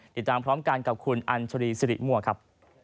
ติดตามพร้อมกันกับคุณอัญชรีสิริมั่วครับ